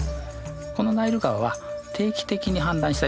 このナイル川は定期的に氾濫したようです。